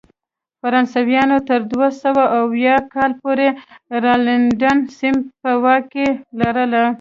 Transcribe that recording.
فرانسویانو تر دوه سوه اووه کال پورې راینلنډ سیمه په واک کې لرله.